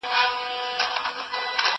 زه به موسيقي اورېدلې وي!؟